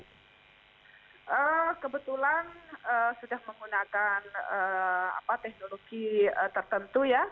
kebetulan sudah menggunakan teknologi tertentu ya